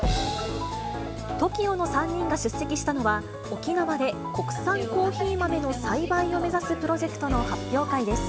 ＴＯＫＩＯの３人が出席したのは、沖縄で国産コーヒー豆の栽培を目指すプロジェクトの発表会です。